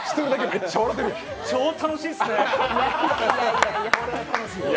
超楽しいっすね。